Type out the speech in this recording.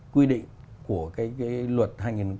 quy định của cái luật hai nghìn một mươi ba